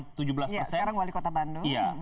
sekarang wali kota bantuan